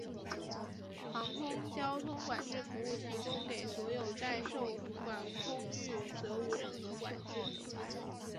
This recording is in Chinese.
航空交通管制服务提供给所有在受管空域则无任何管制。